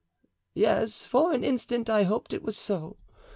"Yes, for an instant I hoped it was so.